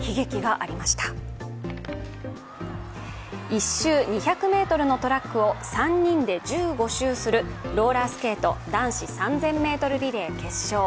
１周２００ｍのトラックを３人で１５周する、ローラースケート男子３０００ｍリレー決勝。